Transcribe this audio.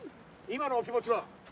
今のお気持ちは？